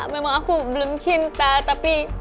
memang aku belum cinta tapi